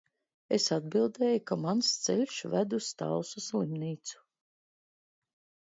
Es atbildēju, ka mans ceļš ved uz Talsu slimnīcu.